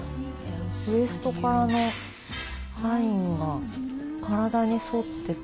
ウエストからのラインが体に沿って。